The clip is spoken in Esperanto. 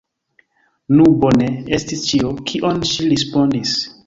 Nu bone! estis ĉio, kion ŝi respondis.